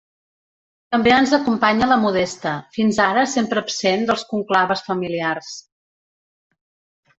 També ens acompanya la Modesta, fins ara sempre absent dels conclaves familiars.